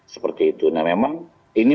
seperti itu nah memang ini